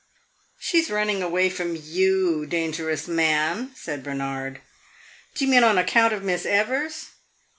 "She is running away from you, dangerous man!" said Bernard. "Do you mean on account of Miss Evers?